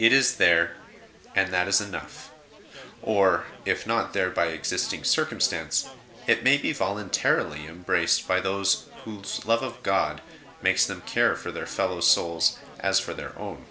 It is there, and that is enough ; or, if not there by existing circumstance, it may be voluntarily embraced by those whose love of God makes them care for their fellows souls as for their own.